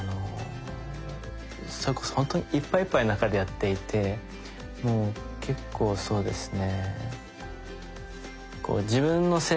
それこそほんとにいっぱいいっぱいの中でやっていて結構そうですね